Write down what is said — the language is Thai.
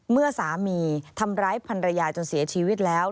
เมื่อสามีทำร้ายพันรยาจนเสียชีวิตแล้ว